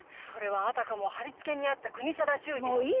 それはあたかもはりつけにあった国定忠治の。